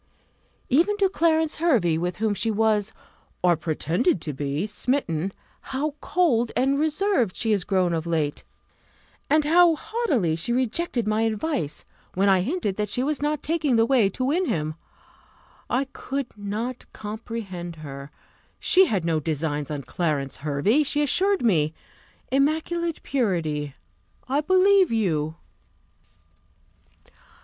Even to Clarence Hervey, with whom she was, or pretended to be, smitten, how cold and reserved she is grown of late; and how haughtily she rejected my advice, when I hinted that she was not taking the way to win him! I could not comprehend her; she had no designs on Clarence Hervey, she assured me. Immaculate purity! I believe you.